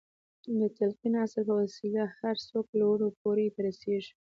د تلقين اصل په وسيله هر څوک لوړو پوړيو ته رسېږي.